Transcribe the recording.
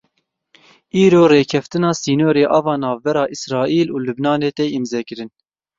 Îro rêkeftina sînorê ava navbera Îsraîl û Lubnanê tê îmzekirin.